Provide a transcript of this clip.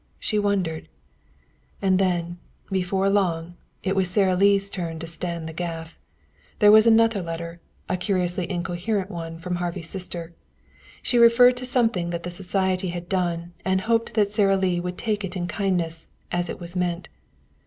She wondered. And then, before long, it was Sara Lee's turn to stand the gaff. There was another letter, a curiously incoherent one from Harvey's sister. She referred to something that the society had done, and hoped that Sara Lee would take it in kindness, as it was meant.